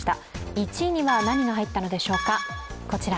１位には何が入ったのでしょうか。